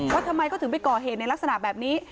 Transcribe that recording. ว่าทำไมเขาถึงไปก่อเหตุในลักษณะแบบนี้